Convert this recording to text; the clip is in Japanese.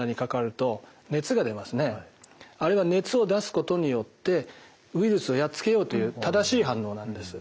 あれは熱を出すことによってウイルスをやっつけようという正しい反応なんです。